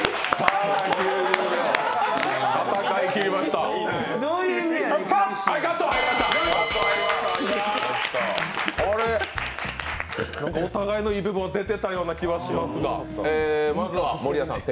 あれ、お互いのいい部分、出てたような気がしますが。